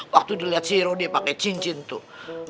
waktu dilihat si lodi pake cincin tuh